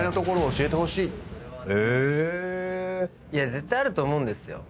絶対あると思うんですよ。